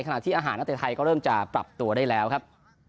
ขณะที่อาหารนักเตะไทยก็เริ่มจะปรับตัวได้แล้วครับ